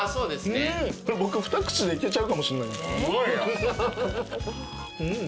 これ僕２口でいけちゃうかもしれない。